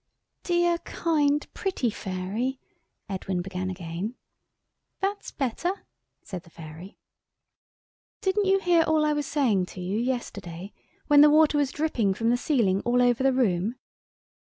"Dear, kind, pretty Fairy," Edwin began again. "That's better," said the Fairy. "Didn't you hear all I was saying to you yesterday, when the water was dripping from the ceiling all over the room?"